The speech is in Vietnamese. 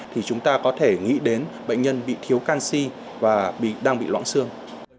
thì chúng ta có thể nghĩ đến bệnh nhân bị thiếu canxi và đang bị lõng xương